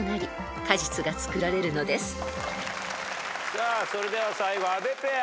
じゃあそれでは最後阿部ペア。